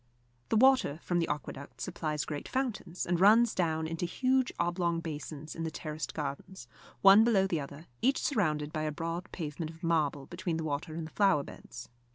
The water from the aqueduct supplies great fountains, and runs down into huge oblong basins in the terraced gardens, one below the other, each surrounded by a broad pavement of marble between the water and the flower beds.